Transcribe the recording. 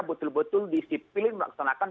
betul betul disipilin melaksanakan